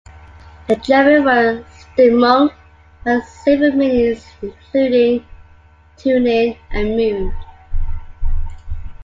The German word "Stimmung" has several meanings, including "tuning" and "mood".